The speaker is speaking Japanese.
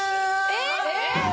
えっ！